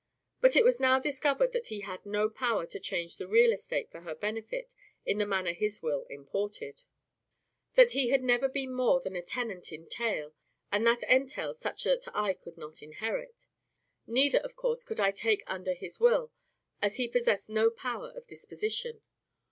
But it was now discovered that he had no power to charge the real estate for her benefit, in the manner his will imported; that he had never been more than a tenant in tail, and that entail such that I could not inherit. Neither, of course, could I take under his will, as he possessed no power of disposition.